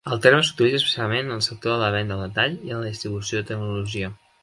El terme s'utilitza especialment en el sector de la venda al detall i en la distribució de tecnologia.